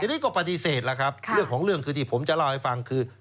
ทีนี้ก็ปฏิเสธแล้วครับเรื่องของเรื่องคือที่ผมจะเล่าให้ฟังคือ